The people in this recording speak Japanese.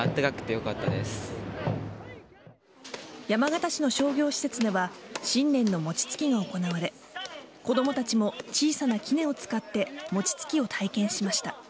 山形市の商業施設では新年のもちつきが行われ子供たちも小さな杵を使ってもちつきを体験しました。